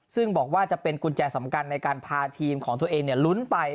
ซึ่งบอกว่าจะเป็นกุญแจสำคัญในการพาทีมของตัวเองลุ้นไป